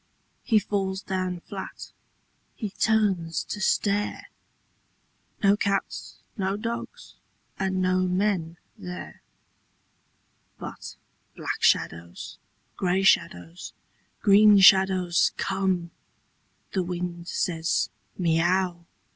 He falls down flat. H)e turns to stare — No cats, no dogs, and no men there. But black shadows, grey shadows, green shadows come. The wind says, " Miau !